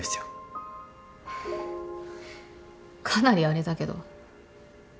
かなりあれだけど。